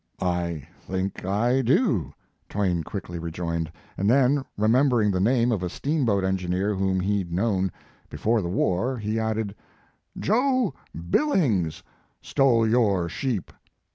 * I think I do," Twain quickly rejoined, and then, remembering the name of a steamboat engineer whom he had known before the war, he added: "Jo Billings stole your sheep."